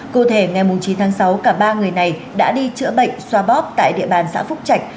cụ thể ngày chín tháng sáu cả ba người này đã đi chữa bệnh xoa bóp tại địa bàn xã phúc trạch